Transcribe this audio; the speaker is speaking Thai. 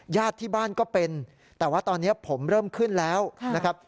ญาติที่บ้านก็เป็นแต่ว่าตอนนี้ผมเริ่มขึ้นแล้วนะครับ